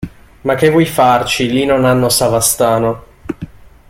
Ma che vuoi farci lì non hanno Savastano.